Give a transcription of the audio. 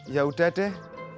ya udah deh